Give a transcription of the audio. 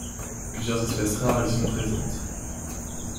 Plusieurs espèces rares y sont présentes.